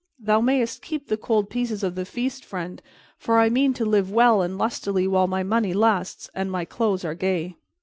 Thou mayst keep the cold pieces of the feast, friend, for I mean to live well and lustily while my money lasts and my clothes are gay."